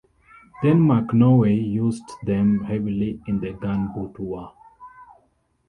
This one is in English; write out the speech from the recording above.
Denmark-Norway used them heavily in the Gunboat War.